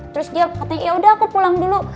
terus dia yaudah aku pulang dulu